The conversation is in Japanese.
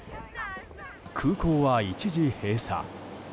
空港は一時閉鎖。